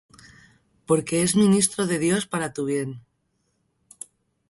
Porque es ministro de Dios para tu bien.